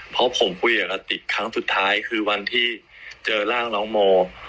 เพราะผมคุยกับกติกครั้งสุดท้ายคือวันที่เจอร่างน้องโม